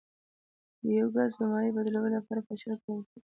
د یو ګاز په مایع بدلولو لپاره فشار کارول کیږي.